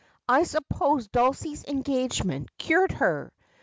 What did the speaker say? I suppose Dulcie's engagement cured her.